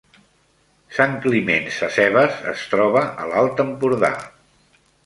Sant Climent Sescebes es troba a l’Alt Empordà